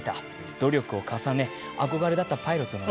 努力を重ね憧れだったパイロットの道へ。